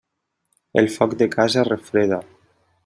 El foc de casa refreda.